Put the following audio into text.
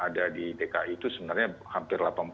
ada di dki itu sebenarnya hampir